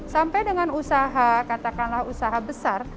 sampai dengan usaha katakanlah usaha besar